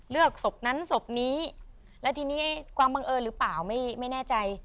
ศพนั้นศพนี้แล้วทีนี้ความบังเอิญหรือเปล่าไม่แน่ใจ